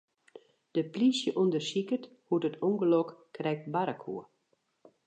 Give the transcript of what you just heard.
De plysje ûndersiket hoe't it ûngelok krekt barre koe.